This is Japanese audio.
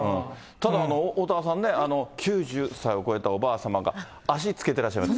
ただおおたわさんね、９０歳を超えたおばあ様が足つけてらっしゃいました。